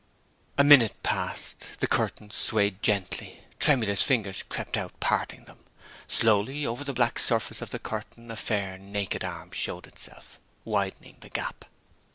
A minute passed. The curtains swayed gently. Tremulous fingers crept out, parting them. Slowly, over the black surface of the curtain, a fair naked arm showed itself, widening the gap.